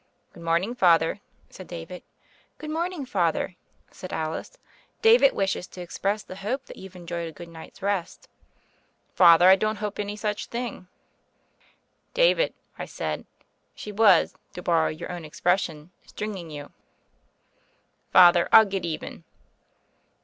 "Good morning, Father," said David. "Good morning. Father," said Alice. "David wishes to express the hope that you've enjoyed a good night's rest." "Father, I don't hope any such thiag.'* "David," I said, "she was, to borrow your own expression, 'stringing you.' " "Father, I'll get even."